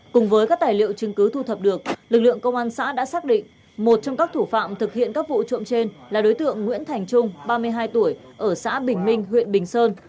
cùng với các tài liệu chứng cứ thu thập được lực lượng công an xã đã xác định một trong các thủ phạm thực hiện các vụ trộm trên là đối tượng nguyễn thành trung ba mươi hai tuổi ở xã bình minh huyện bình sơn